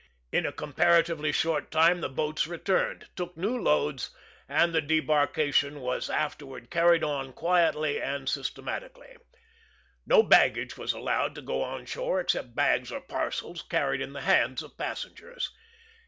In a comparatively short time the boats returned, took new loads, and the debarkation was afterward carried on quietly and systematically. No baggage was allowed to go on shore except bags or parcels carried in the hands of passengers.